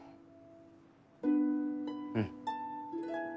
うん。